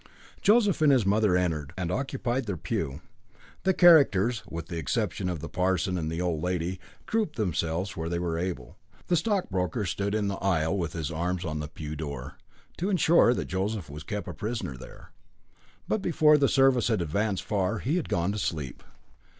Joseph and his mother entered, and occupied their pew. The characters, with the exception of the parson and the old lady, grouped themselves where they were able. The stockbroker stood in the aisle with his arms on the pew door, to ensure that Joseph was kept a prisoner there. But before the service had advanced far he had gone to sleep.